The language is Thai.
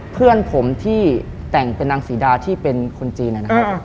เพื่อนผมที่แต่งเป็นนางสีดาที่เป็นคนจีน